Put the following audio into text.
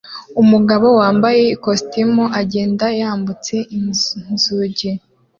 Umugabo wambaye ikositimu agenda yambutse inzugi